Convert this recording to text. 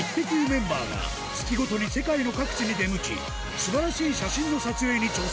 メンバーが月ごとに世界の各地に出向き素晴らしい写真の撮影に挑戦